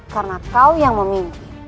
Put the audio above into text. karena kau yang memimpin